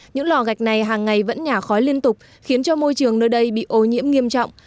những lò gạch này hàng ngày vẫn nhả khói liên tục khiến cho môi trường nơi đây bị ô nhiễm nghiêm trọng